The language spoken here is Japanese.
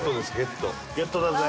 ゲットだぜ！